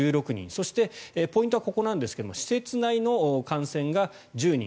そしてポイントはここなんですが施設内の感染が１０人。